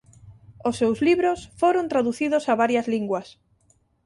Os seus libros foron traducidos a varias linguas.